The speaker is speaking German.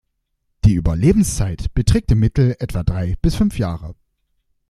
Die Überlebenszeit beträgt im Mittel etwa drei bis fünf Jahre.